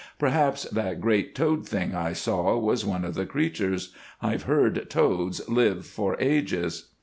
Perhaps that great toad thing I saw was one of the creatures. I've heard toads live for ages."